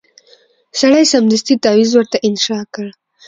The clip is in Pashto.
سړي سمدستي تعویذ ورته انشاء کړ